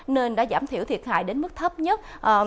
nên đã giảm thiểu thiệt hại đến mức thấp nhất